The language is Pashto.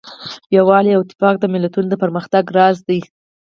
یووالی او اتفاق د ملتونو د پرمختګ راز دی.